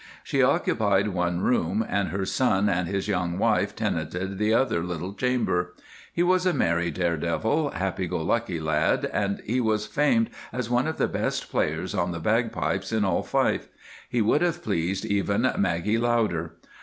She occupied one room, and her son and his young wife tenanted the other little chamber. He was a merry, dare devil, happy go lucky lad, and he was famed as one of the best players on the bagpipes in all Fife; he would have pleased even Maggie Lauder.